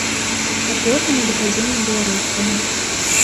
А потым і да падзення беларускага.